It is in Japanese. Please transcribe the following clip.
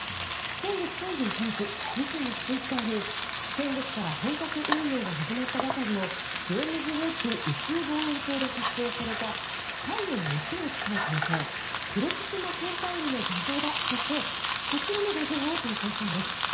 先月３１日、自身のツイッターに先月から本格運用が始まったばかりのジェームズ・ウェッブ宇宙望遠鏡で撮影された太陽に最も近い恒星プロキシマ・ケンタウリの画像だとしてこちらの画像を投稿したんです。